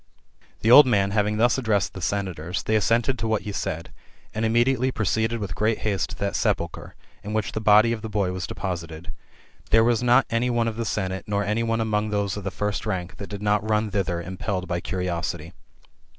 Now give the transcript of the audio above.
The old man having thus addressed the senators, they assented to what he said ; and immediately proceeded with great haste to that sepulchre, in which the. body of the boy was deposited. There was not any one of the senate, nor any one among those of the first rank, that did not run thither, impelled by curiosity.